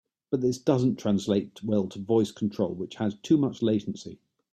But this doesn't translate well to voice control, which has too much latency.